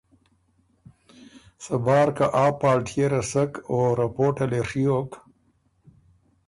صبار که آ پالټيې رسک او رپورټه لې ڒیوک